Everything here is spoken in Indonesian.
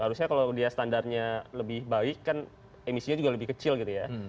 harusnya kalau dia standarnya lebih baik kan emisinya juga lebih kecil gitu ya